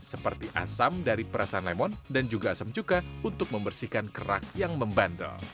seperti asam dari perasaan lemon dan juga asam cuka untuk membersihkan kerak yang membandel